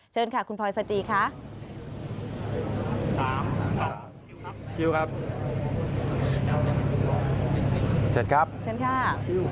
เชิญค่ะคุณพลอยสจีริฐศิลป์ค่ะ